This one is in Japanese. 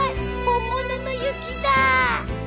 本物の雪だ。